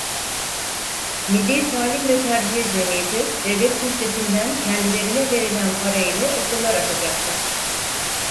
Millî Talim ve Terbiye Cemiyeti devlet bütçesinden kendilerine verilen para ile okullar açacaktır.